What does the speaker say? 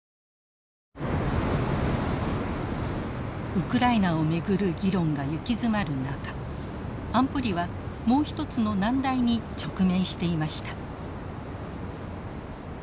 ウクライナを巡る議論が行き詰まる中安保理はもうひとつの難題に直面していました。